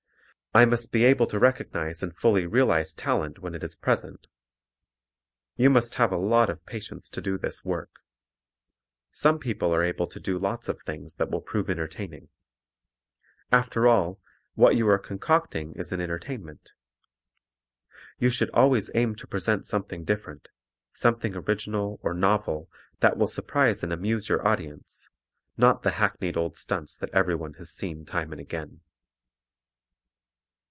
I must be able to recognize and fully realize talent when it is present. You must have a lot of patience to do this work. Some people are able to do lots of things that will prove entertaining. After all, what you are concocting is an entertainment. You should always aim to present something different, something original or novel that will surprise and amuse your audience, not the hackneyed old stunts that everyone has seen time and again.